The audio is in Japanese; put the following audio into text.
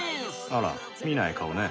あら見ない顔ね。